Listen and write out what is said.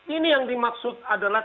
ini yang dimaksud adalah